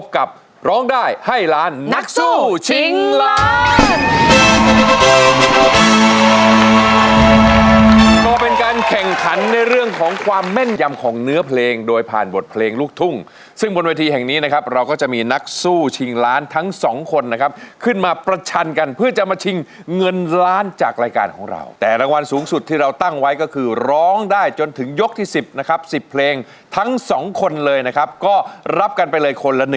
ก็เป็นการแข่งขันในเรื่องของความแม่นยำของเนื้อเพลงโดยผ่านบทเพลงลูกทุ่งซึ่งบนเวทีแห่งนี้นะครับเราก็จะมีนักสู้ชิงล้านทั้งสองคนนะครับขึ้นมาประชันกันเพื่อจะมาชิงเงินล้านจากรายการของเราแต่รางวัลสูงสุดที่เราตั้งไว้ก็คือร้องได้จนถึงยกที่๑๐นะครับ๑๐เพลงทั้งสองคนเลยนะครับก็รับกันไปเลยคนละ๑